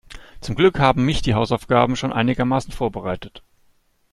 Zum Glück haben mich die Hausaufgaben schon einigermaßen vorbereitet.